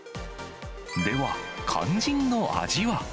では、肝心の味は。